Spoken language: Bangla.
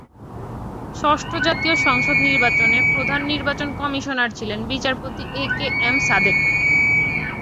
ষষ্ঠ জাতীয় সংসদ নির্বাচনে প্রধান নির্বাচন কমিশনার ছিলেন বিচারপতি এ কে এম সাদেক।